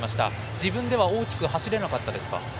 自分では大きく走れなかったですか。